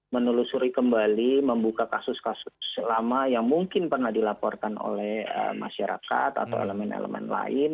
menelusuri kembali membuka kasus kasus lama yang mungkin pernah dilaporkan oleh masyarakat atau elemen elemen lain